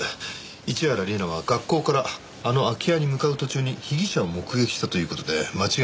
市原里奈は学校からあの空き家に向かう途中に被疑者を目撃したという事で間違いなさそうですね。